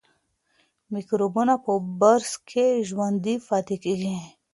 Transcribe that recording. میکروبونه په برس کې ژوندي پاتې کېږي.